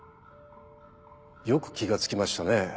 よく気が付きましたね。